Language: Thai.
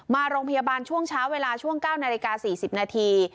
มาโรงพยาบาลช่วงเช้าเวลาช่วง๙นาฬิกา๔๐นาที